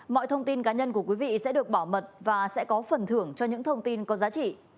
mọi thông tin cá nhân của quý vị sẽ được bảo mật và sẽ có phần thưởng cho những thông tin có giá trị